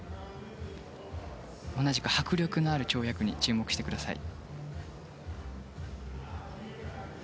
同じく迫力のある跳躍に注目してください。